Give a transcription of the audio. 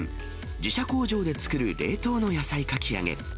自社工場で作る冷凍の野菜かき揚げ。